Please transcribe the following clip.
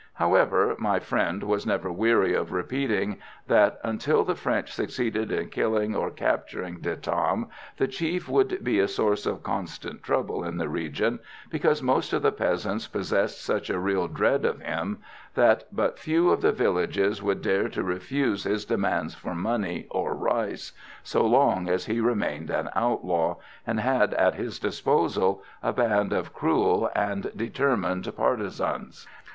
However, my friend was never weary of repeating that, until the French succeeded in killing or capturing De Tam, the chief would be a source of constant trouble in the region, because most of the peasants possessed such a real dread of him, that but few of the villages would dare to refuse his demands for money or rice, so long as he remained an outlaw, and had at his disposal a band of cruel and determined partisans.